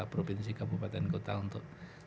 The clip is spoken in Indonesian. provinsi kabupaten kota untuk